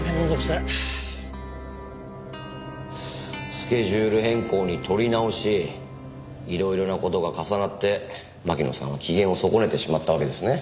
スケジュール変更に撮り直しいろいろな事が重なって巻乃さんは機嫌を損ねてしまったわけですね。